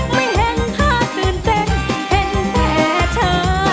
ไม่เห็นภาพตื่นเต้นเห็นแต่เธอ